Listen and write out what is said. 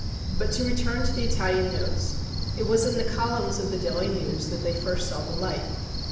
But to return to the Italian Notes: it was in the columns of The Daily News that they first saw the light.